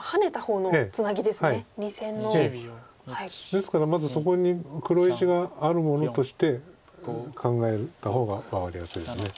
ですからまずそこに黒石があるものとして考えた方が分かりやすいです。